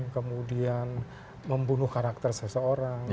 kemudian membunuh karakter seseorang